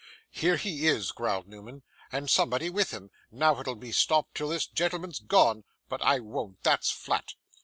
'Here he is,' growled Newman, 'and somebody with him. Now it'll be "Stop till this gentleman's gone." But I won't. That's flat.